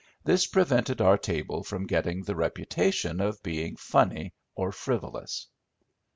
This prevented our table from getting the reputation of being funny or frivolous.